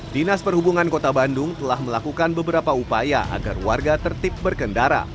dinas perhubungan kota bandung telah melakukan beberapa upaya agar warga tertib berkendara